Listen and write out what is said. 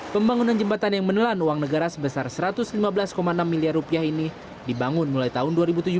pembangunan jembatan yang menelan uang negara sebesar satu ratus lima belas enam miliar rupiah ini dibangun mulai tahun dua ribu tujuh belas